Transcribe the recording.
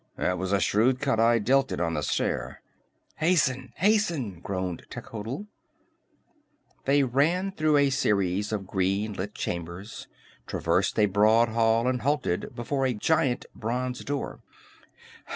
"That was a shrewd cut I dealt it on the stair." "Hasten! Hasten!" groaned Techotl. They ran through a series of green lit chambers, traversed a broad hall, and halted before a giant bronze door.